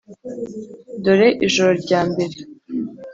dore ijoro rya mbere